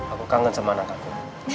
aku kangen sama anak aku